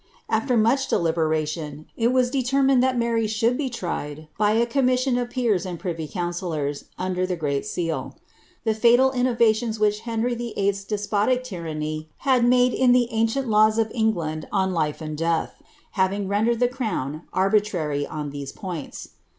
After much deliberation, it was determined that Mary should be tried by a commission of peers and pnvy councillors, under the great seal 'the fatal innovations' which Henry VIII.'s despotic tyranny had made in the ancient laws of England on life and death, having rendered the crown arbitrary on these points.